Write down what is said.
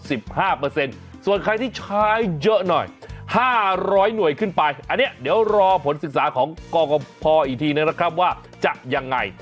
ส่วนใครที่ใช้เยอะหน่อยห้าร้อยหน่วยขึ้นไปอันนี้เดี๋ยวรอผลศึกษาของกรกภอีกทีนะครับว่าจะยังไง